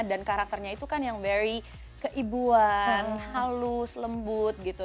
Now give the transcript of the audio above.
dan karakternya itu kan yang very keibuan halus lembut gitu